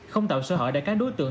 không tạo sở hỡi để các đối tượng